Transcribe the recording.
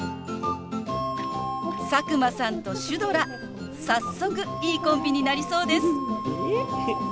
佐久間さんとシュドラ早速いいコンビになりそうです。